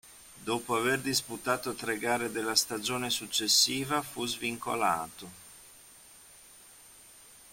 Dopo aver disputato tre gare della stagione successiva fu svincolato.